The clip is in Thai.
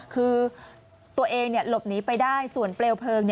คือตัวเองหลบหนีไปได้ส่วนเปลวเพลิง